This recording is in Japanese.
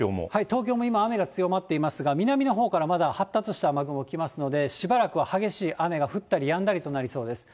東京も今雨が強まっていますが、南のほうからまだ発達した雨雲来ますので、しばらくは激しい雨が降ったりやんだりとなりそうです。